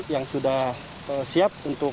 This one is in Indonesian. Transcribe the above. yang sudah siap untuk bersiap setiap oktober dan tahun